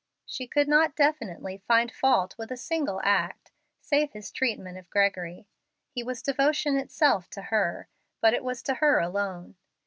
She could not definitely find fault with a single act, save his treatment of Gregory; he was devotion itself to her, but it was to her alone.